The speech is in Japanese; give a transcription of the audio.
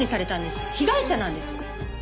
被害者なんです！